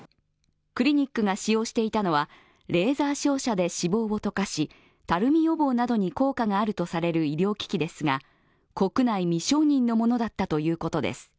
クリニックが使用していたのはレーザー照射で脂肪を溶かしたるみ予防などに効果があるとされる医療機器ですが、国内未承認のものだったということです。